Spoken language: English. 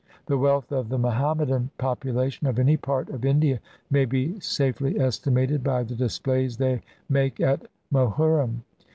The wealth of the Mohammedan population of any part of India maybe safely estimated by the displays they make at Mohurrim.